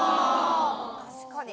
確かに。